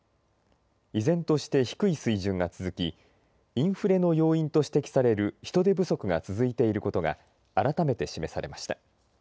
依然として低い水準が続きインフレの要因と指摘される人手不足が続いていることが改めて示されました。